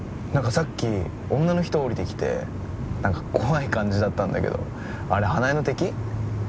何かさっき女の人降りてきて何か怖い感じだったんだけどあれ花枝の敵？